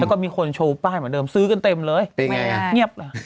แล้วก็มีคนโชว์ป้ายเหมือนเดิมซื้อกันเต็มเลยเงียบเลย